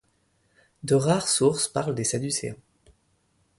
De rares sources parlent des sadducéens.